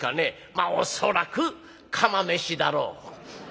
「まあ恐らく釜飯だろう」。